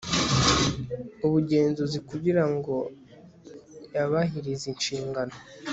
ubugenzuzi kugira ngo yabahirize inshingano